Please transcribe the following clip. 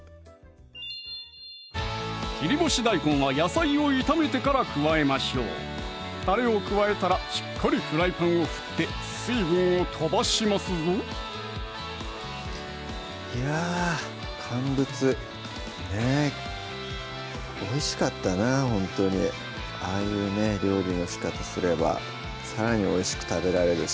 切り干し大根は野菜を炒めてから加えましょうたれを加えたらしっかりフライパンを振って水分を飛ばしますぞいやぁ乾物ねぇおいしかったなほんとにああいうね料理のしかたすればさらにおいしく食べられるし